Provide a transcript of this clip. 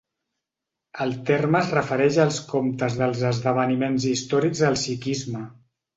El terme es refereix als comptes dels esdeveniments històrics al sikhisme.